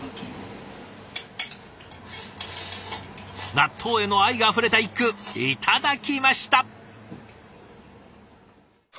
納豆への愛があふれた一句頂きました！